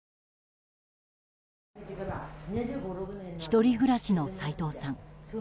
１人暮らしの齋藤さん。